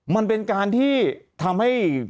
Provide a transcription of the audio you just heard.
มันเป็นการที่ทำให้